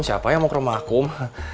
siapa yang mau ke rumah akum